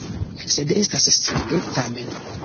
Sed estas strange, tamen.